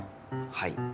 はい。